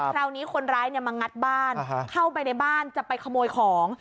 คราวนี้คนร้ายมางัดบ้านเข้าไปในบ้านจะไปขโมยของ